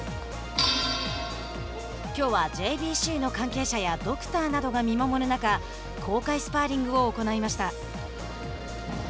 きょうはＪＢＣの関係者やドクターなどが見守る中公開スパーリングを行いました。